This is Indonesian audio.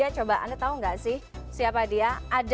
coba anda tau gak sih siapa dia